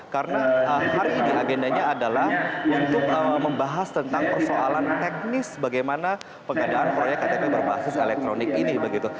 karena hari ini agendanya adalah untuk membahas tentang persoalan teknis bagaimana pengadaan proyek ktp berbasis elektronik ini